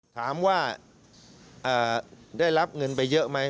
ถามว่าได้รับเงินไปเยอะไหม